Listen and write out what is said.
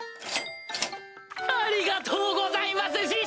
ありがとうございます師匠！